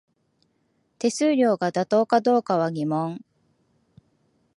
手数料が妥当かどうかは疑問